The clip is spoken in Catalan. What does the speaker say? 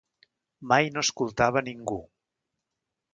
Mai no escoltava a ningú.